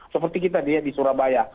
seperti kita lihat di surabaya